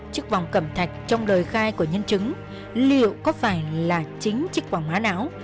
chiếc vòng cầm thạch trong đời khai của nhân chứng liệu có phải là chính chiếc vòng má đáo